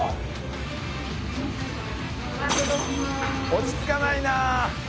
落ち着かないなあ。